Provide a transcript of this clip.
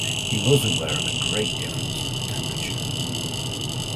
He was aware of a great difference in the temperature.